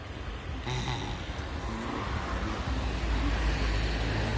あきのうのゆめはこれなんだったんじゃろうなあ？